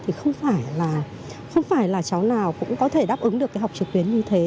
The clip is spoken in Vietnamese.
thì không phải là cháu nào cũng có thể đáp ứng được cái học trực tuyến như thế